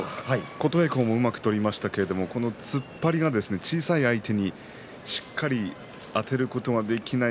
琴恵光もうまく取りましたけれどもこの突っ張りが小さい相手にしっかりあてることができない